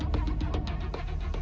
kemampuan pengobatan herbal non medis pun